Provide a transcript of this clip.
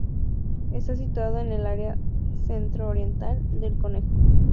Está situada en el área centro oriental del concejo.